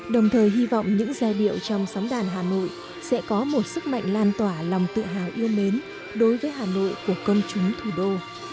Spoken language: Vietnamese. đồng thời hy vọng những giai điệu trong sóng đàn hà nội sẽ có một sức mạnh lan tỏa lòng tự hào yêu mến đối với hà nội của công chúng thủ đô